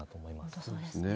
本当そうですね。